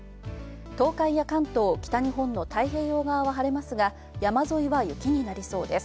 東海や関東、北日本の太平洋側は晴れますが山沿いは雪になりそうです。